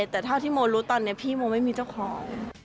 แต่เท่าที่โมรู้ตอนนี้พี่โมไม่มีเจ้าของ